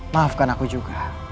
maafkan aku juga